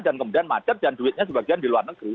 dan kemudian macet dan duitnya sebagian di luar negeri